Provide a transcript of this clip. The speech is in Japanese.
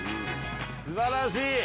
すばらしい！